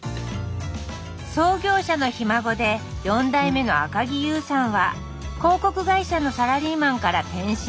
創業者のひ孫で４代目の赤木優さんは広告会社のサラリーマンから転身。